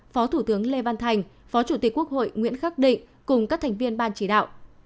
phó thủ tướng lê văn thành phó chủ tịch quốc hội nguyễn khắc định cùng các thành viên ban chỉ đạo